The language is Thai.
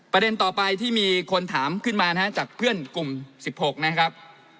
ประเด็นต่อไปที่มีคนถามขึ้นมานะฮะจากเพื่อนกลุ่ม๑๖นะครับ